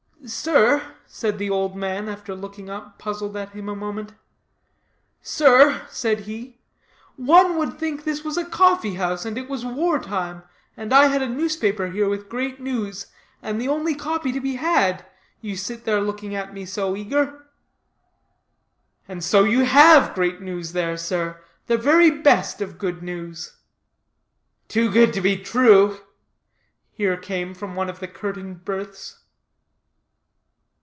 "Sir," said the old man, after looking up puzzled at him a moment, "sir," said he, "one would think this was a coffee house, and it was war time, and I had a newspaper here with great news, and the only copy to be had, you sit there looking at me so eager." "And so you have good news there, sir the very best of good news." "Too good to be true," here came from one of the curtained berths.